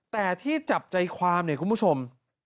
แต่ที่จับใจความเนี่ยคุณผู้ชม